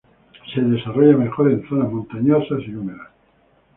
Se desarrolla mejor en zonas montañosas y húmedas.